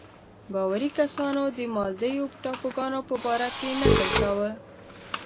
باوري کسانو د مالدیو ټاپوګانو په باره کې نکل کاوه.